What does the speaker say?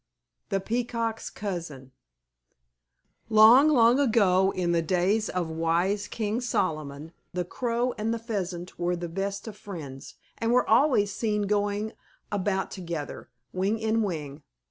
THE PEACOCK'S COUSIN Long, long ago in the days of wise King Solomon, the Crow and the Pheasant were the best of friends, and were always seen going about together, wing in wing.